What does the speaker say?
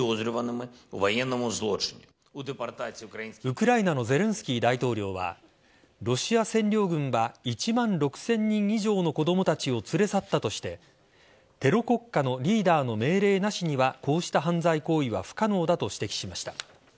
ウクライナのゼレンスキー大統領はロシア占領軍は１万６０００人以上の子供たちを連れ去ったとしてテロ国家のリーダーの命令なしには、こうした犯罪行為は不可能だと指摘しました。